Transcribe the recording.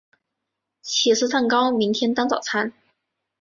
起司蛋糕明天当早餐